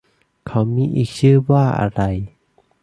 เค้ามีอีกชื่อว่าอะไร